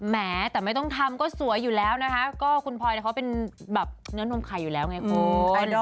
แหมแต่ไม่ต้องทำก็สวยอยู่แล้วนะคะก็คุณพลอยเขาเป็นแบบเนื้อนมไข่อยู่แล้วไงคุณ